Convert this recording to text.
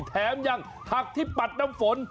แถมยังผักที่ปัดน้ำฝน